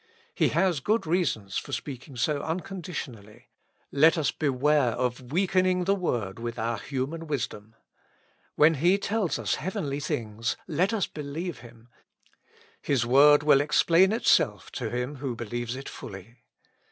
He had good reasons for speaking so uncondi tionally. Let us beware of weakening the Word with our human wisdom. When He tells us heavenly things, let us believe Him ; His Word will explain itself to him who believes it fully.